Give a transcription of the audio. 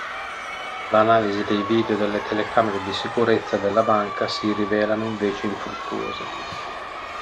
L'analisi dei video delle telecamere di sicurezza della banca si rivelano invece infruttuose.